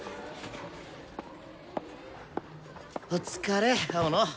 お疲れ青野！